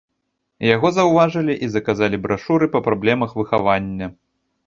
Яго заўважылі і заказалі брашуры па праблемах выхавання.